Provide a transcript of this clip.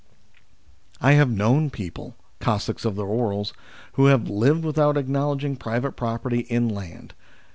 I have known people Cossacks of the Oural who have lived without acknowledging private property in land.